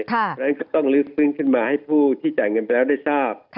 เพราะฉะนั้นก็ต้องลึกฟื้นขึ้นมาให้ผู้ที่จ่ายเงินไปแล้วได้ทราบ